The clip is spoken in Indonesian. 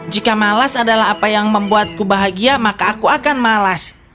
jika malas adalah apa yang membuatku bahagia maka aku akan malas